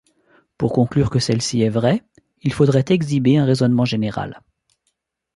Pour conclure que celle-ci est vraie, il faudrait exhiber un raisonnement général.